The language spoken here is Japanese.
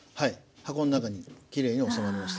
箱の中にきれいに収まりました。